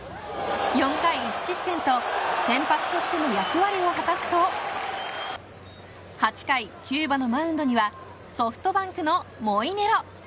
４回１失点と先発としての役割を果たすと８回、キューバのマウンドにはソフトバンクのモイネロ。